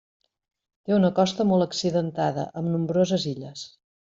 Té una costa molt accidentada, amb nombroses illes.